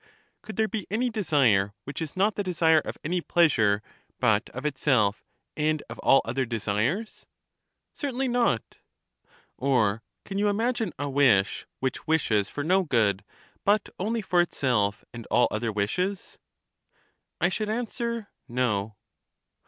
Could there be any desire which is not the desire of any pleasure, but of itself, and of all other desires? Certainly not. ^, Digitized by VjOOQ IC CHARMIDES 29 Or can you imagine a wish which wishes for no good, but only for itself and all other wishes? I should answer, No.